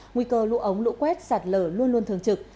nguy cơ lũ ống lũ quét sạt lở luôn luôn thường trực